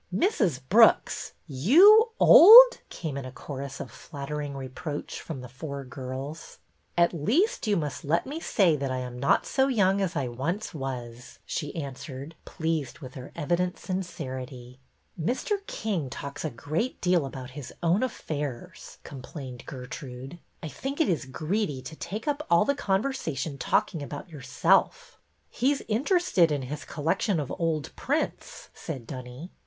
"Mrs. Brooks! You old!" came in a chorus of flattering reproach from the four girls. " At least, you must let me say that ' I am not 17 258 BETTY BAIRD'S VENTURES so young as I once was/ " she answered, pleased with their evident sincerity. '' Mr. King talks a great deal about his own affairs," complained Gertrude. '' I think it is greedy to take up all the conversation talking about yourself." He 's interested in his collection of old prints," said Dunny.